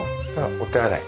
お手洗い。